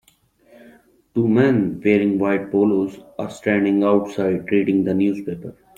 Two men, wearing white polos, are standing outside reading the newspaper.